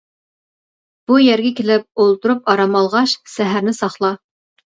بۇ يەرگە كېلىپ ئولتۇرۇپ ئارام ئالغاچ، سەھەرنى ساقلا.